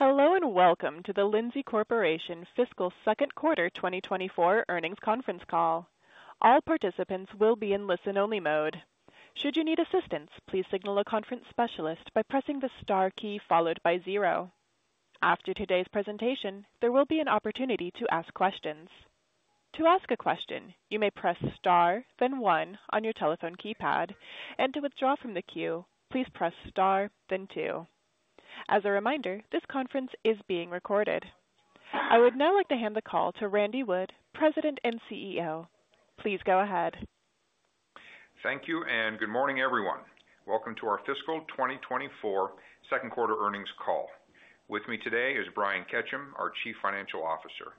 Hello and welcome to the Lindsay Corporation Fiscal Q2 2024 Earnings Conference Call. All participants will be in listen-only mode. Should you need assistance, please signal a conference specialist by pressing the star key followed by zero. After today's presentation, there will be an opportunity to ask questions. To ask a question, you may press star, then one on your telephone keypad, and to withdraw from the queue, please press star, then two. As a reminder, this conference is being recorded. I would now like to hand the call to Randy Wood, President and CEO. Please go ahead. Thank you, and good morning, everyone. Welcome to our Fiscal 2024 Q2 Earnings Call. With me today is Brian Ketcham, our Chief Financial Officer.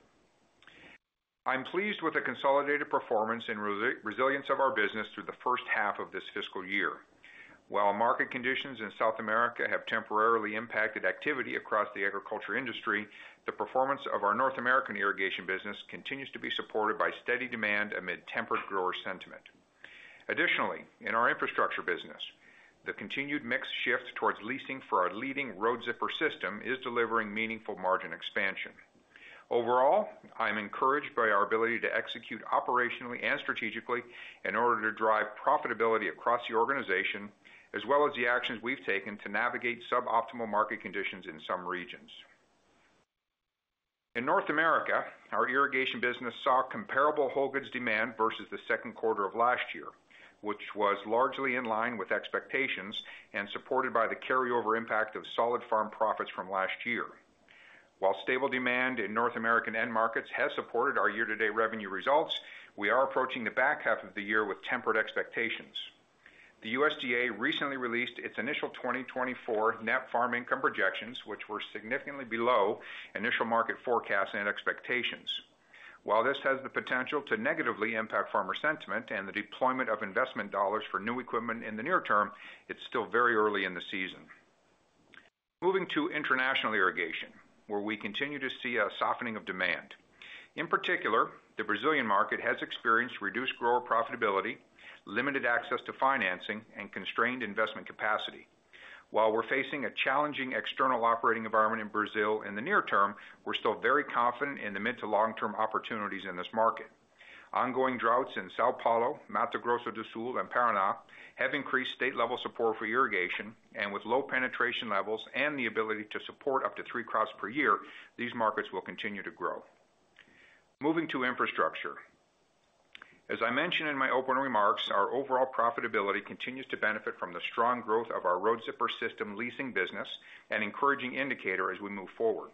I'm pleased with the consolidated performance and resilience of our business through the H1 of this fiscal year. While market conditions in South America have temporarily impacted activity across the agriculture industry, the performance of our North American irrigation business continues to be supported by steady demand amid tempered grower sentiment. Additionally, in our infrastructure business, the continued mix shift towards leasing for our leading Road Zipper System is delivering meaningful margin expansion. Overall, I'm encouraged by our ability to execute operationally and strategically in order to drive profitability across the organization, as well as the actions we've taken to navigate suboptimal market conditions in some regions. In North America, our irrigation business saw comparable whole goods demand versus the Q2 of last year, which was largely in line with expectations and supported by the carryover impact of solid farm profits from last year. While stable demand in North American end markets has supported our year-to-date revenue results, we are approaching the back half of the year with tempered expectations. The USDA recently released its initial 2024 net farm income projections, which were significantly below initial market forecasts and expectations. While this has the potential to negatively impact farmer sentiment and the deployment of investment dollars for new equipment in the near term, it's still very early in the season. Moving to international irrigation, where we continue to see a softening of demand. In particular, the Brazilian market has experienced reduced grower profitability, limited access to financing, and constrained investment capacity. While we're facing a challenging external operating environment in Brazil in the near term, we're still very confident in the mid to long-term opportunities in this market. Ongoing droughts in São Paulo, Mato Grosso do Sul, and Paraná have increased state-level support for irrigation, and with low penetration levels and the ability to support up to three crops per year, these markets will continue to grow. Moving to infrastructure. As I mentioned in my opening remarks, our overall profitability continues to benefit from the strong growth of our Road Zipper System leasing business and encouraging indicator as we move forward.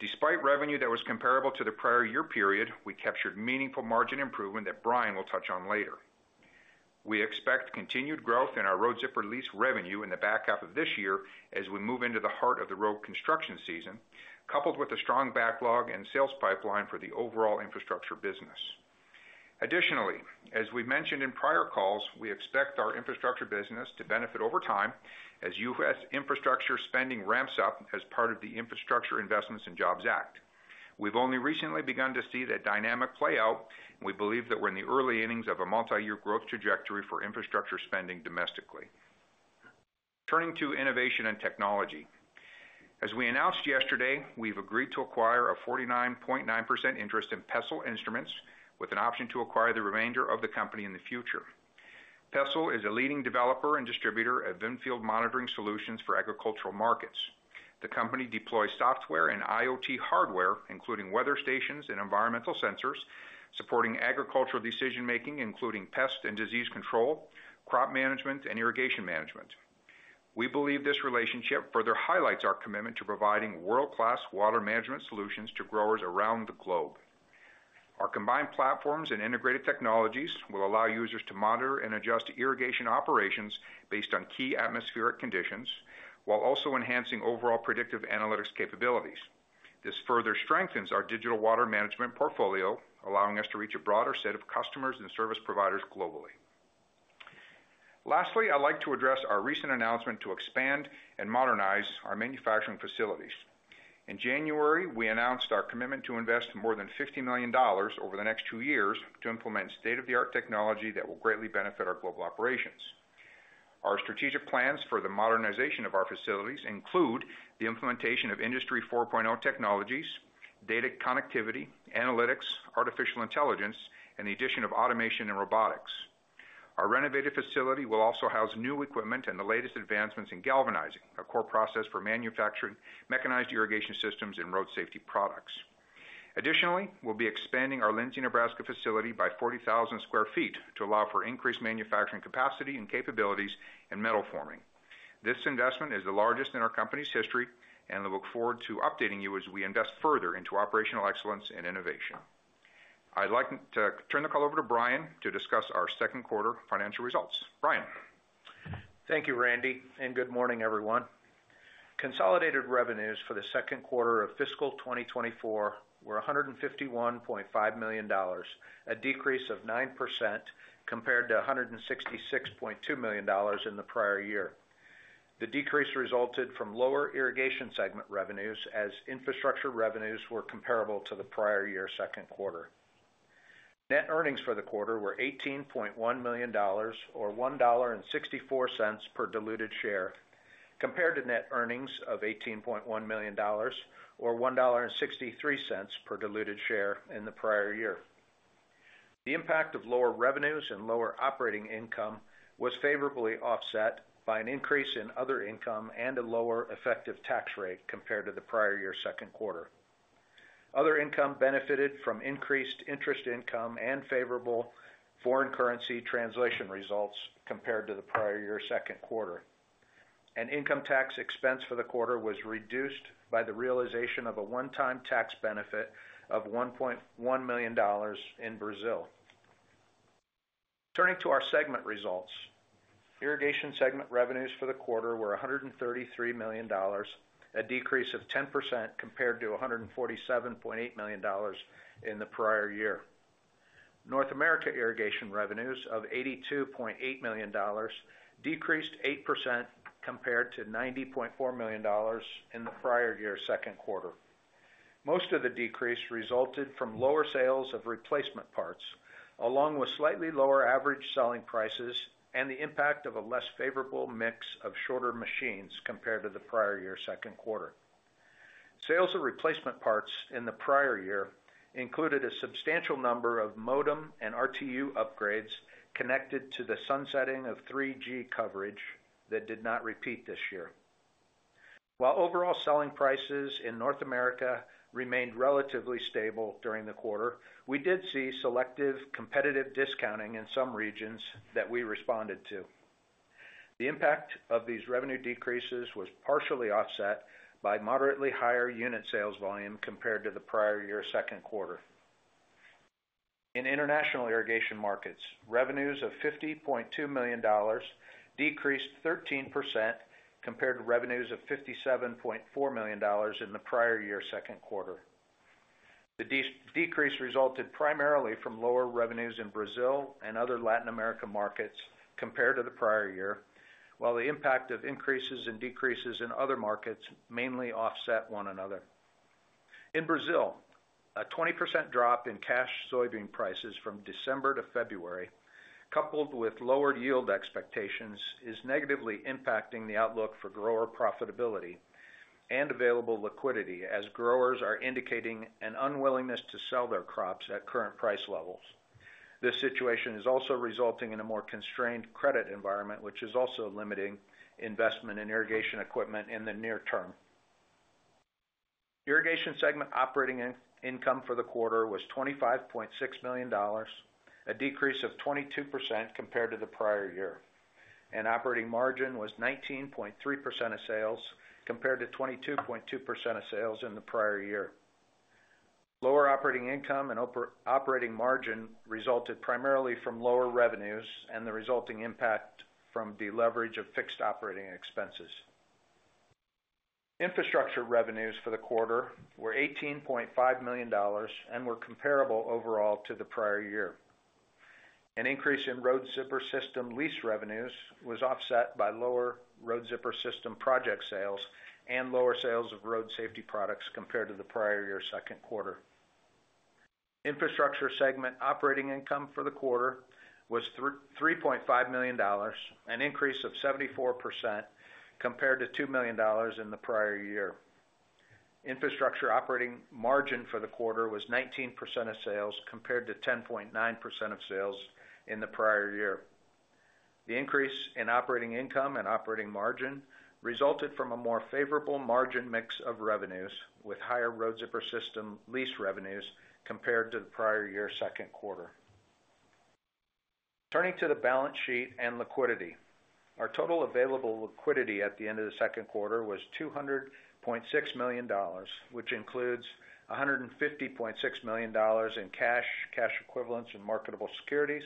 Despite revenue that was comparable to the prior year period, we captured meaningful margin improvement that Brian will touch on later. We expect continued growth in our Road Zipper lease revenue in the back half of this year as we move into the heart of the road construction season, coupled with a strong backlog and sales pipeline for the overall infrastructure business. Additionally, as we've mentioned in prior calls, we expect our infrastructure business to benefit over time as U.S. infrastructure spending ramps up as part of the Infrastructure Investments and Jobs Act. We've only recently begun to see that dynamic play out, and we believe that we're in the early innings of a multi-year growth trajectory for infrastructure spending domestically. Turning to innovation and technology. As we announced yesterday, we've agreed to acquire a 49.9% interest in Pessl Instruments, with an option to acquire the remainder of the company in the future. Pessl is a leading developer and distributor of in-field monitoring solutions for agricultural markets. The company deploys software and IoT hardware, including weather stations and environmental sensors, supporting agricultural decision-making, including pest and disease control, crop management, and irrigation management. We believe this relationship further highlights our commitment to providing world-class water management solutions to growers around the globe. Our combined platforms and integrated technologies will allow users to monitor and adjust irrigation operations based on key atmospheric conditions, while also enhancing overall predictive analytics capabilities. This further strengthens our digital water management portfolio, allowing us to reach a broader set of customers and service providers globally. Lastly, I'd like to address our recent announcement to expand and modernize our manufacturing facilities. In January, we announced our commitment to invest more than $50 million over the next two years to implement state-of-the-art technology that will greatly benefit our global operations. Our strategic plans for the modernization of our facilities include the implementation of Industry 4.0 technologies, data connectivity, analytics, artificial intelligence, and the addition of automation and robotics. Our renovated facility will also house new equipment and the latest advancements in galvanizing, a core process for manufacturing mechanized irrigation systems and road safety products. Additionally, we'll be expanding our Lindsay, Nebraska facility by 40,000 sq ft to allow for increased manufacturing capacity and capabilities in metal forming. This investment is the largest in our company's history, and we look forward to updating you as we invest further into operational excellence and innovation. I'd like to turn the call over to Brian to discuss our Q2 financial results. Brian. Thank you, Randy, and good morning, everyone. Consolidated revenues for the Q2 of Fiscal 2024 were $151.5 million, a decrease of 9% compared to $166.2 million in the prior year. The decrease resulted from lower irrigation segment revenues as infrastructure revenues were comparable to the prior year Q2. Net earnings for the quarter were $18.1 million, or $1.64 per diluted share, compared to net earnings of $18.1 million, or $1.63 per diluted share in the prior year. The impact of lower revenues and lower operating income was favorably offset by an increase in other income and a lower effective tax rate compared to the prior year Q2. Other income benefited from increased interest income and favorable foreign currency translation results compared to the prior year Q2. Income tax expense for the quarter was reduced by the realization of a one-time tax benefit of $1.1 million in Brazil. Turning to our segment results. Irrigation segment revenues for the quarter were $133 million, a decrease of 10% compared to $147.8 million in the prior year. North America irrigation revenues of $82.8 million decreased 8% compared to $90.4 million in the prior year Q2. Most of the decrease resulted from lower sales of replacement parts, along with slightly lower average selling prices and the impact of a less favorable mix of shorter machines compared to the prior year Q2. Sales of replacement parts in the prior year included a substantial number of modem and RTU upgrades connected to the sunsetting of 3G coverage that did not repeat this year. While overall selling prices in North America remained relatively stable during the quarter, we did see selective competitive discounting in some regions that we responded to. The impact of these revenue decreases was partially offset by moderately higher unit sales volume compared to the prior year Q2. In international irrigation markets, revenues of $50.2 million decreased 13% compared to revenues of $57.4 million in the prior year Q2. The decrease resulted primarily from lower revenues in Brazil and other Latin American markets compared to the prior year, while the impact of increases and decreases in other markets mainly offset one another. In Brazil, a 20% drop in cash soybean prices from December to February, coupled with lowered yield expectations, is negatively impacting the outlook for grower profitability and available liquidity as growers are indicating an unwillingness to sell their crops at current price levels. This situation is also resulting in a more constrained credit environment, which is also limiting investment in irrigation equipment in the near term. Irrigation segment operating income for the quarter was $25.6 million, a decrease of 22% compared to the prior year. Operating margin was 19.3% of sales compared to 22.2% of sales in the prior year. Lower operating income and operating margin resulted primarily from lower revenues and the resulting impact from the leverage of fixed operating expenses. Infrastructure revenues for the quarter were $18.5 million and were comparable overall to the prior year. An increase in Road Zipper System lease revenues was offset by lower Road Zipper System project sales and lower sales of road safety products compared to the prior year Q2. Infrastructure segment operating income for the quarter was $3.5 million, an increase of 74% compared to $2 million in the prior year. Infrastructure operating margin for the quarter was 19% of sales compared to 10.9% of sales in the prior year. The increase in operating income and operating margin resulted from a more favorable margin mix of revenues with higher Road Zipper System lease revenues compared to the prior year Q2. Turning to the balance sheet and liquidity. Our total available liquidity at the end of the Q2 was $200.6 million, which includes $150.6 million in cash, cash equivalents, and marketable securities,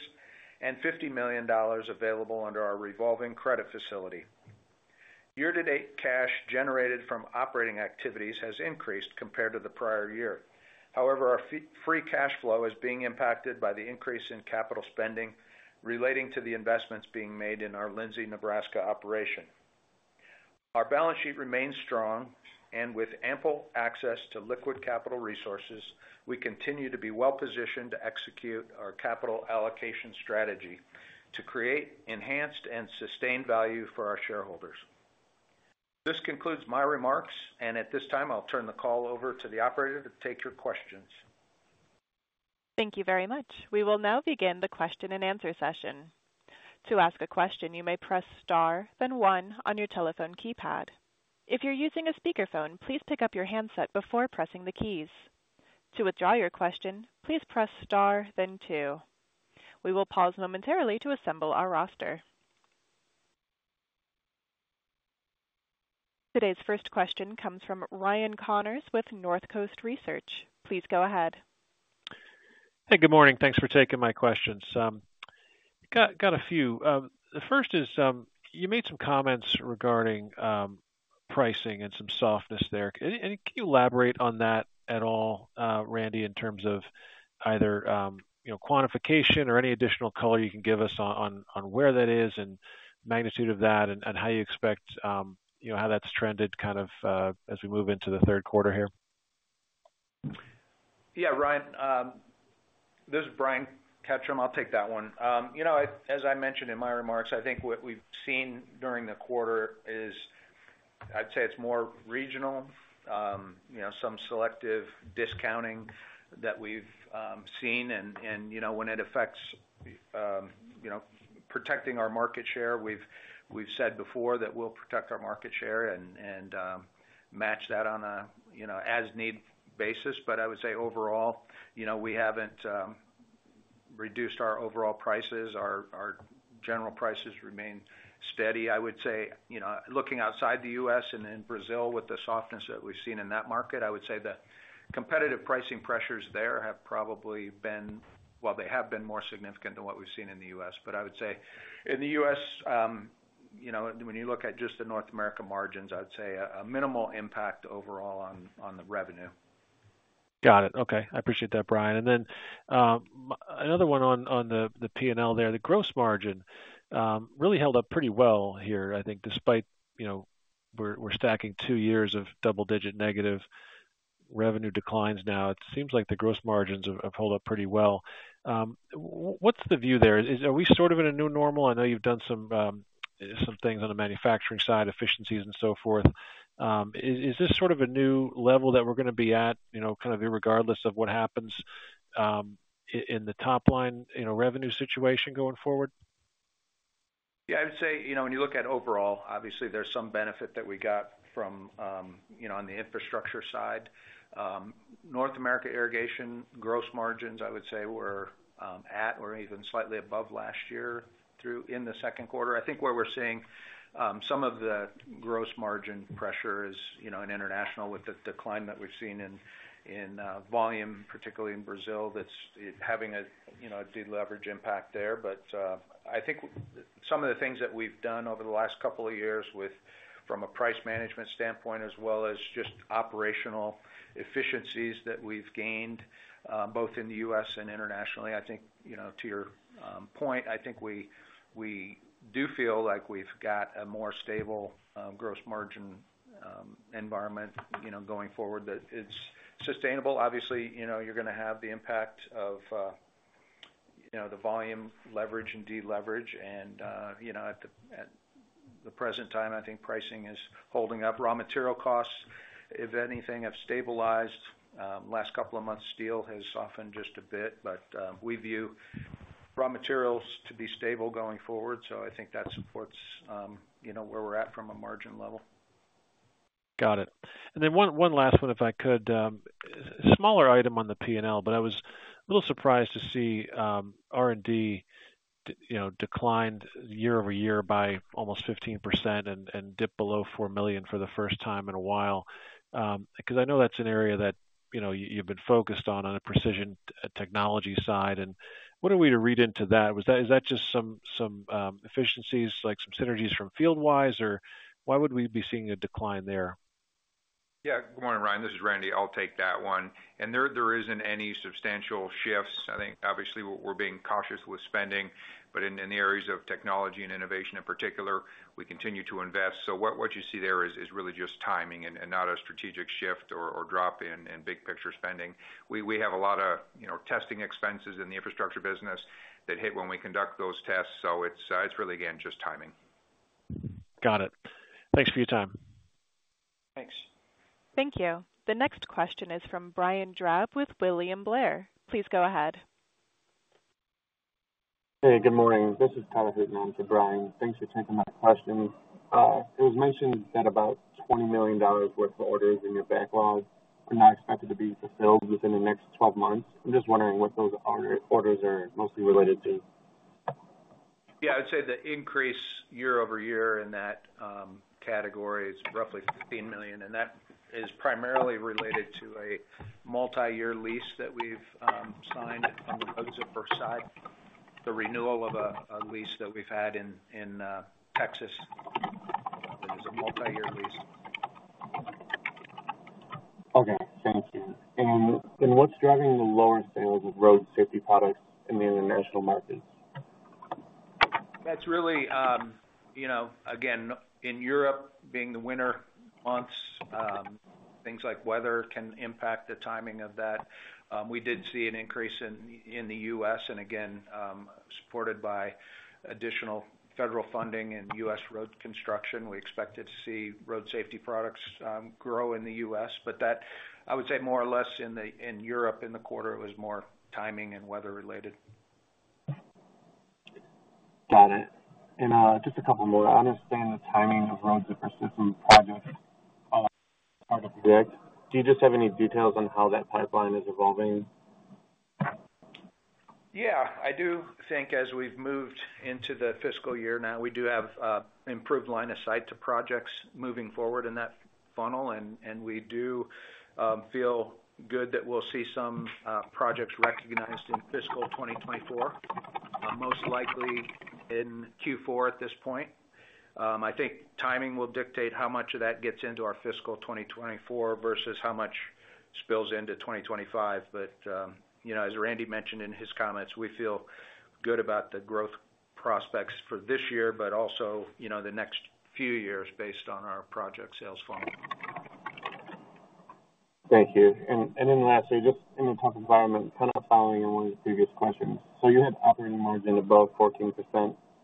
and $50 million available under our revolving credit facility. Year-to-date cash generated from operating activities has increased compared to the prior year. However, our free cash flow is being impacted by the increase in capital spending relating to the investments being made in our Lindsay, Nebraska operation. Our balance sheet remains strong, and with ample access to liquid capital resources, we continue to be well-positioned to execute our capital allocation strategy to create enhanced and sustained value for our shareholders. This concludes my remarks, and at this time, I'll turn the call over to the operator to take your questions. Thank you very much. We will now begin the question and answer session. To ask a question, you may press star, then one, on your telephone keypad. If you're using a speakerphone, please pick up your handset before pressing the keys. To withdraw your question, please press star, then two. We will pause momentarily to assemble our roster. Today's first question comes from Ryan Connors with Northcoast Research. Please go ahead. Hey, good morning. Thanks for taking my questions. Got a few. The first is, you made some comments regarding pricing and some softness there. Can you elaborate on that at all, Randy, in terms of either quantification or any additional color you can give us on where that is and magnitude of that and how you expect how that's trended kind of as we move into the Q3 here? Yeah, Ryan. This is Brian Ketcham. I'll take that one. As I mentioned in my remarks, I think what we've seen during the quarter is, I'd say it's more regional, some selective discounting that we've seen. And when it affects protecting our market share, we've said before that we'll protect our market share and match that on an as-need basis. But I would say overall, we haven't reduced our overall prices. Our general prices remain steady. I would say, looking outside the U.S. and in Brazil with the softness that we've seen in that market, I would say the competitive pricing pressures there have probably been well, they have been more significant than what we've seen in the U.S. But I would say in the U.S., when you look at just the North America margins, I'd say a minimal impact overall on the revenue. Got it. Okay. I appreciate that, Brian. And then another one on the P&L there. The gross margin really held up pretty well here, I think, despite we're stacking two years of double-digit negative revenue declines now. It seems like the gross margins have held up pretty well. What's the view there? Are we sort of in a new normal? I know you've done some things on the manufacturing side, efficiencies and so forth. Is this sort of a new level that we're going to be at kind of irregardless of what happens in the top-line revenue situation going forward? Yeah, I would say when you look at overall, obviously, there's some benefit that we got from on the infrastructure side. North America irrigation gross margins, I would say, were at or even slightly above last year in the Q2. I think where we're seeing some of the gross margin pressure is in international with the decline that we've seen in volume, particularly in Brazil, that's having a de-leverage impact there. But I think some of the things that we've done over the last couple of years from a price management standpoint as well as just operational efficiencies that we've gained both in the U.S. and internationally, I think to your point, I think we do feel like we've got a more stable gross margin environment going forward that it's sustainable. Obviously, you're going to have the impact of the volume leverage and de-leverage. At the present time, I think pricing is holding up. Raw material costs, if anything, have stabilized. Last couple of months, steel has softened just a bit. But we view raw materials to be stable going forward, so I think that supports where we're at from a margin level. Got it. Then one last one, if I could. Smaller item on the P&L, but I was a little surprised to see R&D declined year-over-year by almost 15% and dip below $4 million for the first time in a while. Because I know that's an area that you've been focused on, on the precision technology side. And what are we to read into that? Is that just some efficiencies, like some synergies from FieldWise, or why would we be seeing a decline there? Yeah, good morning, Ryan. This is Randy. I'll take that one. And there isn't any substantial shifts. I think obviously we're being cautious with spending, but in the areas of technology and innovation in particular, we continue to invest. So what you see there is really just timing and not a strategic shift or drop in big picture spending. We have a lot of testing expenses in the infrastructure business that hit when we conduct those tests, so it's really, again, just timing. Got it. Thanks for your time. Thanks. Thank you. The next question is from Brian Drab with William Blair. Please go ahead. Hey, good morning. This is Tyler Hutin. I'm for Brian. Thanks for taking my question. It was mentioned that about $20 million worth of orders in your backlog are not expected to be fulfilled within the next 12 months. I'm just wondering what those orders are mostly related to. Yeah, I would say the increase year-over-year in that category is roughly $15 million, and that is primarily related to a multi-year lease that we've signed on the Road Zipper System, the renewal of a lease that we've had in Texas. It is a multi-year lease. Okay. Thank you. And what's driving the lower sales of road safety products in the international markets? That's really, again, in Europe being the winter months, things like weather can impact the timing of that. We did see an increase in the U.S., and again, supported by additional federal funding and U.S. road construction, we expected to see road safety products grow in the U.S. But that, I would say, more or less in Europe in the quarter, it was more timing and weather-related. Got it. Just a couple more. I understand the timing of Road Zipper System projects are out of the way. Do you just have any details on how that pipeline is evolving? Yeah, I do think as we've moved into the fiscal year now, we do have an improved line of sight to projects moving forward in that funnel. We do feel good that we'll see some projects recognized in fiscal 2024, most likely in Q4 at this point. I think timing will dictate how much of that gets into our fiscal 2024 versus how much spills into 2025. But as Randy mentioned in his comments, we feel good about the growth prospects for this year, but also the next few years based on our project sales funnel. Thank you. And then lastly, just in the tough environment, kind of following on one of the previous questions. So you had operating margin above 14%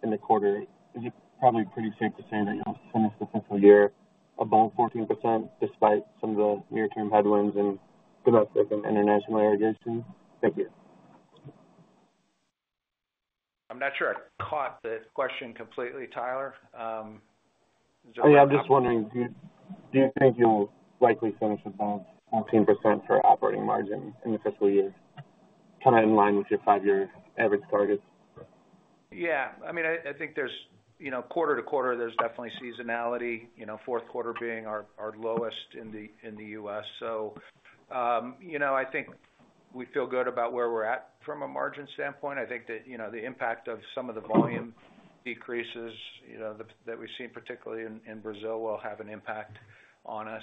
in the quarter. Is it probably pretty safe to say that you'll finish the fiscal year above 14% despite some of the near-term headwinds in domestic and international irrigation? Thank you. I'm not sure I caught the question completely, Tyler. Is there a question? Oh, yeah. I'm just wondering, do you think you'll likely finish above 14% for operating margin in the fiscal year, kind of in line with your five-year average targets? Yeah. I mean, I think quarter to quarter, there's definitely seasonality, Q4 being our lowest in the U.S. So I think we feel good about where we're at from a margin standpoint. I think that the impact of some of the volume decreases that we've seen, particularly in Brazil, will have an impact on us.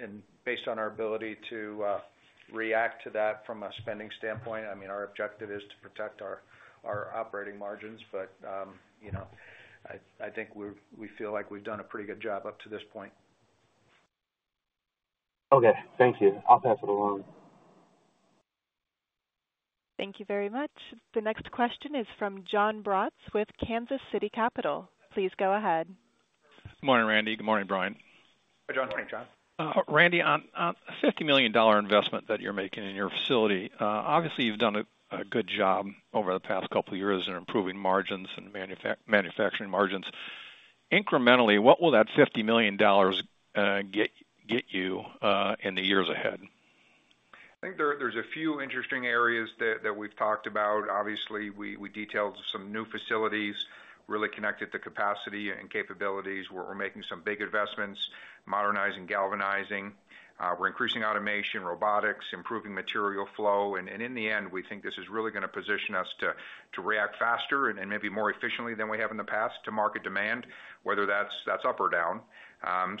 And based on our ability to react to that from a spending standpoint, I mean, our objective is to protect our operating margins. But I think we feel like we've done a pretty good job up to this point. Okay. Thank you. I'll pass it along. Thank you very much. The next question is from Jon Braatz with Kansas City Capital. Please go ahead. Good morning, Randy. Good morning, Brian. Hi, John. How are you, Jon? Randy, on the $50 million investment that you're making in your facility, obviously you've done a good job over the past couple of years in improving margins and manufacturing margins. Incrementally, what will that $50 million get you in the years ahead? I think there's a few interesting areas that we've talked about. Obviously, we detailed some new facilities, really connected the capacity and capabilities. We're making some big investments, modernizing, galvanizing. We're increasing automation, robotics, improving material flow. And in the end, we think this is really going to position us to react faster and maybe more efficiently than we have in the past to market demand, whether that's up or down.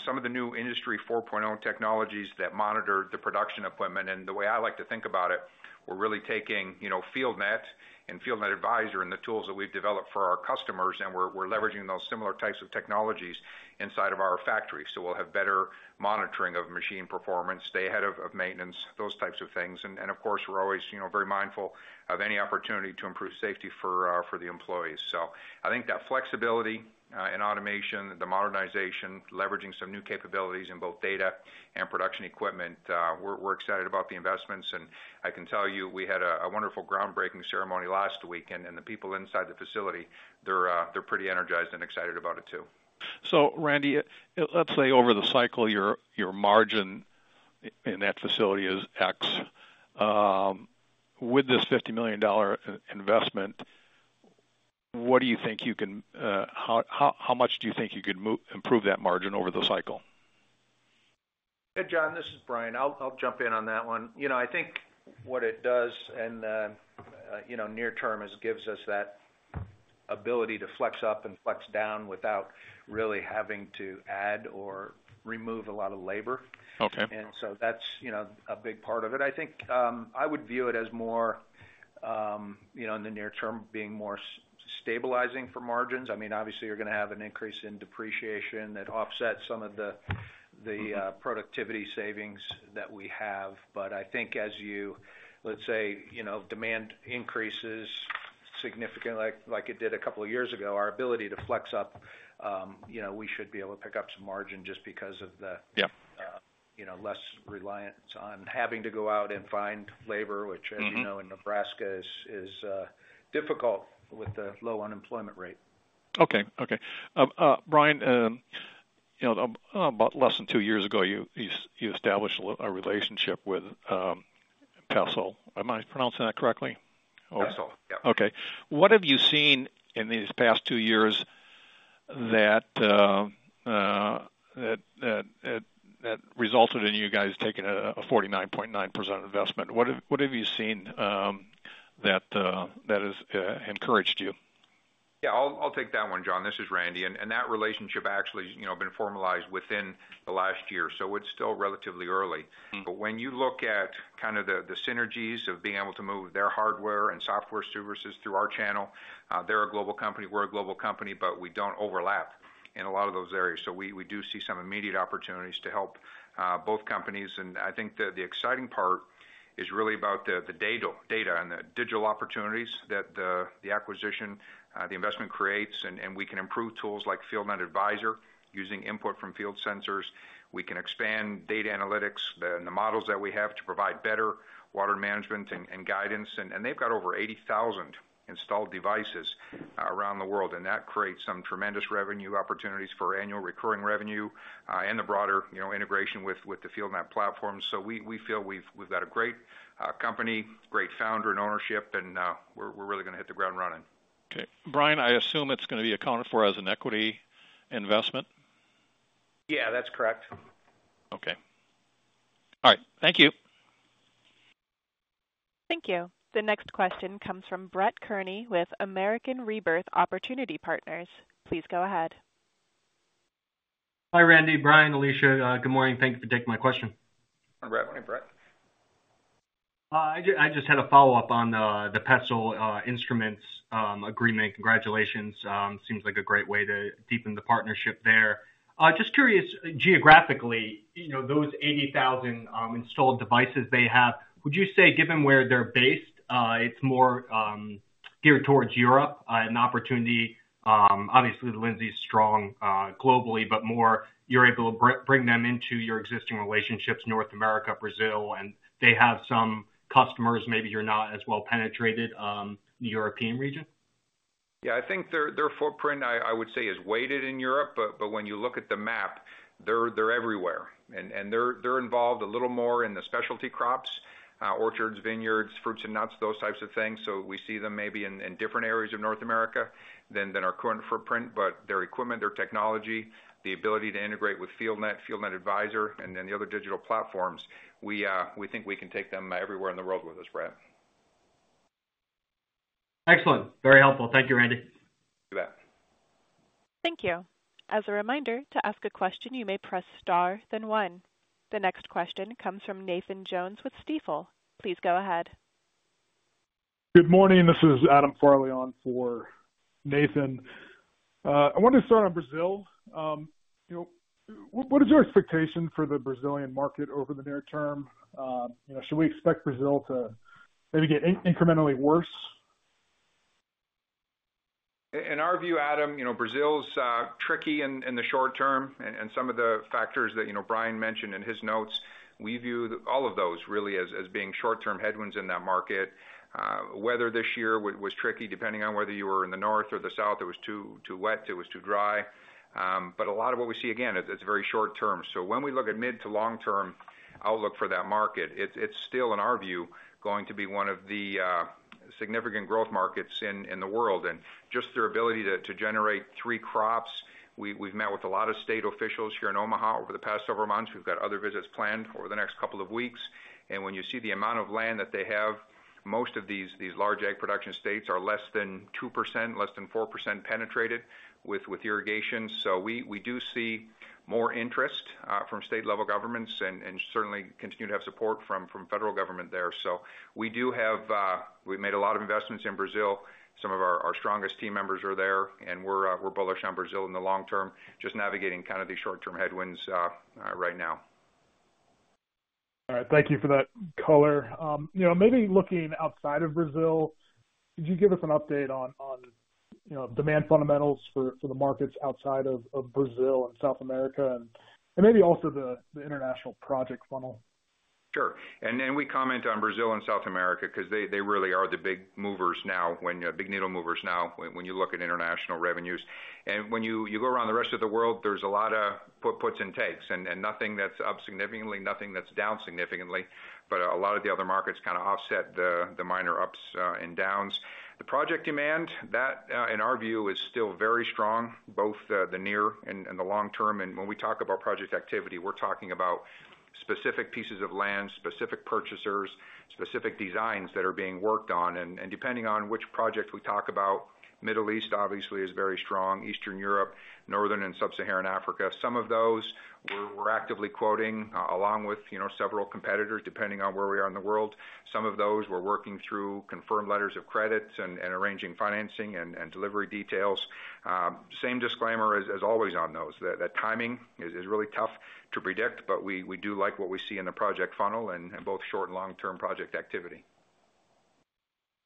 Some of the new Industry 4.0 technologies that monitor the production equipment, and the way I like to think about it, we're really taking FieldNET and FieldNET Advisor and the tools that we've developed for our customers, and we're leveraging those similar types of technologies inside of our factory. So we'll have better monitoring of machine performance, stay ahead of maintenance, those types of things. Of course, we're always very mindful of any opportunity to improve safety for the employees. So I think that flexibility in automation, the modernization, leveraging some new capabilities in both data and production equipment, we're excited about the investments. I can tell you, we had a wonderful groundbreaking ceremony last week, and the people inside the facility, they're pretty energized and excited about it too. So Randy, let's say over the cycle, your margin in that facility is X. With this $50 million investment, how much do you think you could improve that margin over the cycle? Hey, John. This is Brian. I'll jump in on that one. I think what it does in the near term is gives us that ability to flex up and flex down without really having to add or remove a lot of labor. And so that's a big part of it. I think I would view it as more in the near term being more stabilizing for margins. I mean, obviously, you're going to have an increase in depreciation that offsets some of the productivity savings that we have. But I think as you, let's say, demand increases significantly like it did a couple of years ago, our ability to flex up, we should be able to pick up some margin just because of the less reliance on having to go out and find labor, which as you know, in Nebraska is difficult with the low unemployment rate. Okay. Okay. Brian, about less than two years ago, you established a relationship with Pessl. Am I pronouncing that correctly? Pessl. Yeah. Okay. What have you seen in these past 2 years that resulted in you guys taking a 49.9% investment? What have you seen that has encouraged you? Yeah, I'll take that one, John. This is Randy. And that relationship actually has been formalized within the last year, so it's still relatively early. But when you look at kind of the synergies of being able to move their hardware and software services through our channel, they're a global company. We're a global company, but we don't overlap in a lot of those areas. So we do see some immediate opportunities to help both companies. And I think the exciting part is really about the data and the digital opportunities that the acquisition, the investment creates. And we can improve tools like FieldNet Advisor using input from field sensors. We can expand data analytics and the models that we have to provide better water management and guidance. And they've got over 80,000 installed devices around the world. That creates some tremendous revenue opportunities for annual recurring revenue and the broader integration with the FieldNET platform. We feel we've got a great company, great founder and ownership, and we're really going to hit the ground running. Okay. Brian, I assume it's going to be accounted for as an equity investment? Yeah, that's correct. Okay. All right. Thank you. Thank you. The next question comes from Brett Kearney with American Rebirth Opportunity Partners. Please go ahead. Hi, Randy. Brian, Alicia. Good morning. Thank you for taking my question. Hi, Brett. Morning Brett. I just had a follow-up on the Pessl Instruments agreement. Congratulations. Seems like a great way to deepen the partnership there. Just curious, geographically, those 80,000 installed devices they have, would you say given where they're based, it's more geared towards Europe? An opportunity, obviously, Lindsay's strong globally, but more you're able to bring them into your existing relationships, North America, Brazil, and they have some customers, maybe you're not as well penetrated, in the European region? Yeah, I think their footprint, I would say, is weighted in Europe, but when you look at the map, they're everywhere. And they're involved a little more in the specialty crops, orchards, vineyards, fruits and nuts, those types of things. So we see them maybe in different areas of North America than our current footprint. But their equipment, their technology, the ability to integrate with FieldNet, FieldNet Advisor, and then the other digital platforms, we think we can take them everywhere in the world with us, Brett. Excellent. Very helpful. Thank you, Randy. You bet. Thank you. As a reminder, to ask a question, you may press star, then one. The next question comes from Nathan Jones with Stifel. Please go ahead. Good morning. This is Adam Farley on for Nathan. I wanted to start on Brazil. What is your expectation for the Brazilian market over the near term? Should we expect Brazil to maybe get incrementally worse? In our view, Adam, Brazil's tricky in the short term. Some of the factors that Brian mentioned in his notes, we view all of those really as being short-term headwinds in that market. Weather this year was tricky. Depending on whether you were in the north or the south, it was too wet, it was too dry. But a lot of what we see, again, it's very short term. So when we look at mid- to long-term outlook for that market, it's still, in our view, going to be one of the significant growth markets in the world. And just their ability to generate three crops, we've met with a lot of state officials here in Omaha over the past several months. We've got other visits planned over the next couple of weeks. And when you see the amount of land that they have, most of these large ag production states are less than 2%, less than 4% penetrated with irrigation. So we do see more interest from state-level governments and certainly continue to have support from federal government there. So we do, we've made a lot of investments in Brazil. Some of our strongest team members are there, and we're bullish on Brazil in the long term, just navigating kind of these short-term headwinds right now. All right. Thank you for that color. Maybe looking outside of Brazil, could you give us an update on demand fundamentals for the markets outside of Brazil and South America and maybe also the international project funnel? Sure. And then we comment on Brazil and South America because they really are the big movers now, big needle movers now when you look at international revenues. And when you go around the rest of the world, there's a lot of puts and takes and nothing that's up significantly, nothing that's down significantly. But a lot of the other markets kind of offset the minor ups and downs. The project demand, that, in our view, is still very strong, both the near and the long term. And when we talk about project activity, we're talking about specific pieces of land, specific purchasers, specific designs that are being worked on. And depending on which project we talk about, Middle East, obviously, is very strong, Eastern Europe, Northern and Sub-Saharan Africa. Some of those we're actively quoting along with several competitors, depending on where we are in the world. Some of those we're working through confirmed letters of credit and arranging financing and delivery details. Same disclaimer as always on those, that timing is really tough to predict, but we do like what we see in the project funnel and both short and long-term project activity.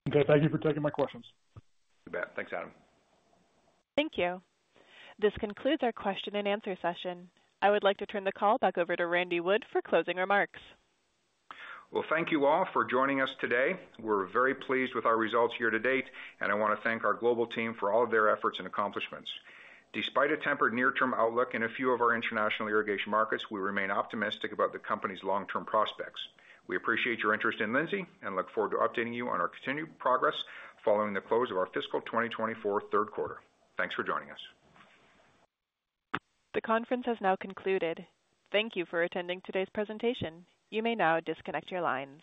Okay. Thank you for taking my questions. You bet. Thanks, Adam. Thank you. This concludes our question and answer session. I would like to turn the call back over to Randy Wood for closing remarks. Well, thank you all for joining us today. We're very pleased with our results here to date, and I want to thank our global team for all of their efforts and accomplishments. Despite a tempered near-term outlook in a few of our international irrigation markets, we remain optimistic about the company's long-term prospects. We appreciate your interest in Lindsay and look forward to updating you on our continued progress following the close of our fiscal 2024 Q3. Thanks for joining us. The conference has now concluded. Thank you for attending today's presentation. You may now disconnect your lines.